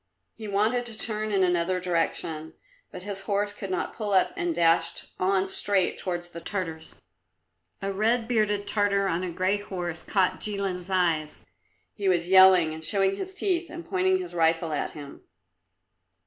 He wanted to turn in another direction, but his horse could not pull up and dashed on straight towards the Tartars. A red bearded Tartar on a grey horse caught Jilin's eyes. He was yelling and showing his teeth and pointing his rifle at him.